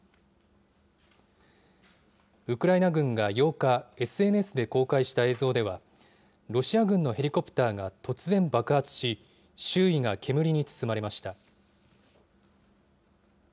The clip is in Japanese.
ウクライナ軍が８日、ＳＮＳで公開した映像では、ロシア軍のヘリコプターが突然爆発し、周囲が煙に包まれました。